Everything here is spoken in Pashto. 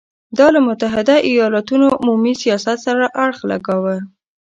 دا له متحدو ایالتونو عمومي سیاست سره اړخ لګاوه.